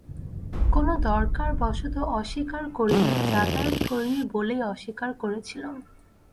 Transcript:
কোনো দরকার-বশত অস্বীকার করি নি– যাতায়াত করি নে বলেই অস্বীকার করেছিলুম।